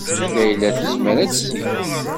Layla tezmer ad tt-teg.